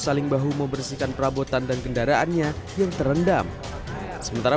saling bahu membersihkan perabotan dan kendaraannya yang terendam sementara